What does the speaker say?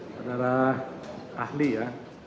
saudara ahli ya